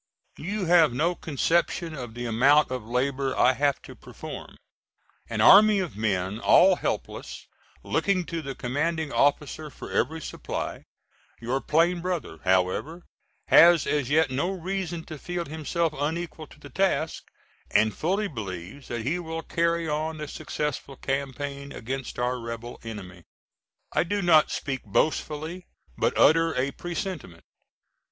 You have no conception of the amount of labor I have to perform. An army of men all helpless, looking to the commanding officer for every supply. Your plain brother, however, has as yet no reason to feel himself unequal to the task, and fully believes that he will carry on a successful campaign against our rebel enemy. I do not speak boastfully but utter a presentiment.